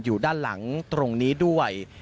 อยู่ด้านหลังตรงนี้ด้วย